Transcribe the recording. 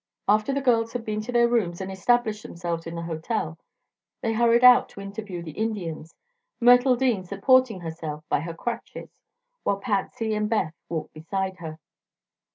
After the girls had been to their rooms and established themselves in the hotel they hurried out to interview the Indians, Myrtle Dean supporting herself by her crutches while Patsy and Beth walked beside her.